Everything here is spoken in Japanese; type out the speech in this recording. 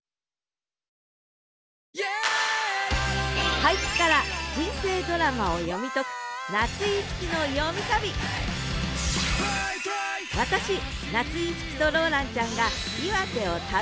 俳句から人生ドラマを読み解く私夏井いつきとローランちゃんが岩手を旅します！